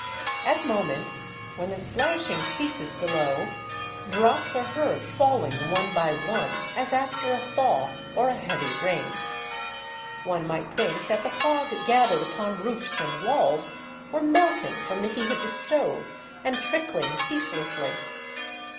At moments, when the splashing ceases below, drops are heard falling one by one as after a thaw or a heavy rain. One might think that the fog gathered upon roofs and walls were melting from the heat of the stove, and trickling ceaselessly.